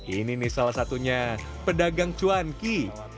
ini nih salah satunya pedagang cuanki